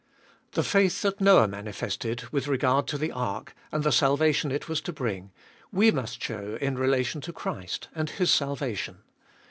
The faith that Noah manifested with regard to the ark, and the salvation it was to bring, we must show in relation to Christ and His salvation.